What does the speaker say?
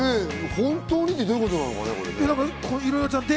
「本当に」ってどういうことなのかね？